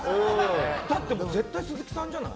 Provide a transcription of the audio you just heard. だって絶対鈴木さんじゃない？